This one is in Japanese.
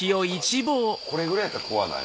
これぐらいやったら怖ない